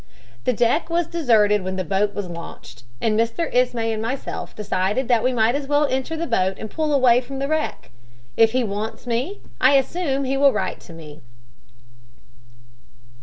"The deck was deserted when the boat was launched, and Mr. Ismay and myself decided that we might as well enter the boat and pull away from the wreck. If he wants me, I assume that he will write to me.